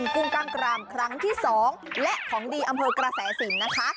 กุ้งกล้ามกรามครั้งที่๒และของดีอำเภอกระแสสินนะคะ